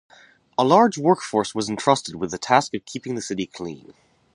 A large workforce was entrusted with the task of keeping the city clean.